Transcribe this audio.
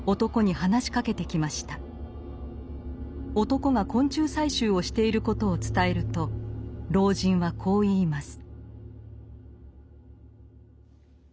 男が昆虫採集をしていることを伝えると老人はこう言います。